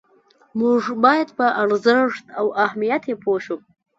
موږ باید په ارزښت او اهمیت یې پوه شو.